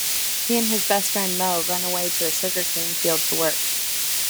He and his best friend Moe run away to a sugarcane field to work.